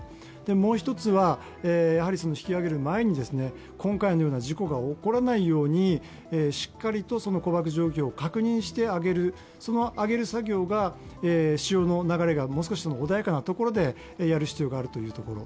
もう一つは、引き揚げる前に今回のような事故が起こらないようにしっかりと固縛状況を確認して揚げる、その揚げる作業が潮の流れが穏やかなところでやる必要があるというところ。